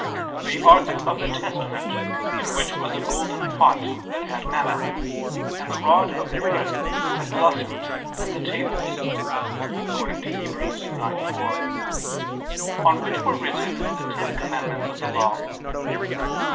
"the ark of the testament in which was a golden pot that had manna, and the rod of Aaron that had blossomed, and the tables" (Heb. 9:4) on which were written the ten commandments of the Law.